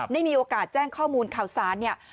ได้มีโอกาสแจ้งข้อมูลข่าวสารเนี่ย